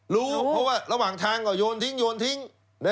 รู้พอระหว่างทางยนต์ทิ้ง